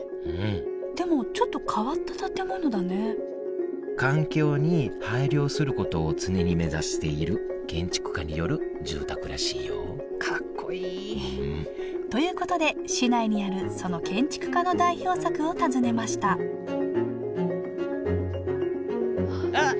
でもちょっと変わった建物だね環境に配慮することを常に目指している建築家による住宅らしいよかっこいい！ということで市内にあるその建築家の代表作を訪ねましたあっ！